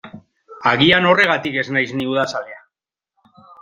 Agian horregatik ez naiz ni udazalea.